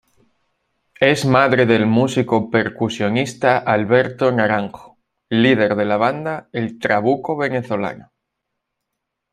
Es madre del músico percusionista Alberto Naranjo, líder de la banda El Trabuco Venezolano.